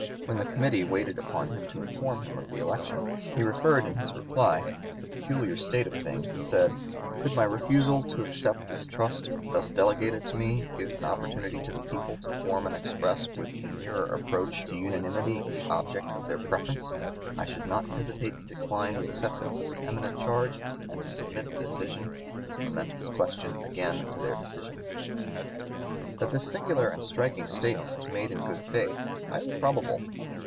When the committee waited upon him to inform him of the election, he referred in his reply to the peculiar state of things and said, "could my refusal to accept the trust thus delegated to me give an opportunity to the people to form and to express with a nearer approach to unanimity the object of their preference, I should not hesitate to decline the acceptance of this eminent charge and to submit the decision of this momentous question again to their decision." That this singular and striking statement was made in good faith is highly probable.